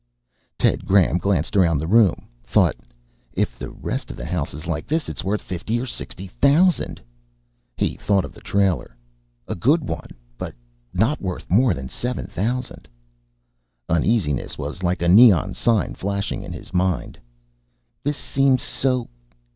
Ted Graham glanced around the room, thought: If the rest of the house is like this, it's worth fifty or sixty thousand. He thought of the trailer: A good one, but not worth more than seven thousand. Uneasiness was like a neon sign flashing in his mind. "This seems so